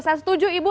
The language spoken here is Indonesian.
saya setuju ibu